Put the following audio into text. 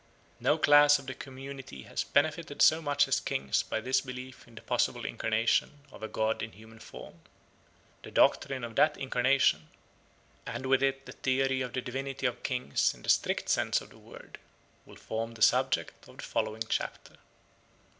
No class of the community has benefited so much as kings by this belief in the possible incarnation of a god in human form. The doctrine of that incarnation, and with it the theory of the divinity of kings in the strict sense of the word, will form the subject of the following chapter.